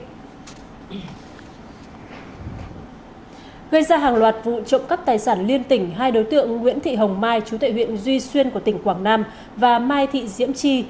gây ra hàng loạt vụ trộm cắp tài sản liên tỉnh hai đối tượng nguyễn thị hồng mai chú tại huyện duy xuyên của tỉnh quảng nam và mai thị diễm chi